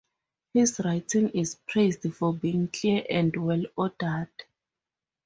His writing is praised for being clear and well ordered.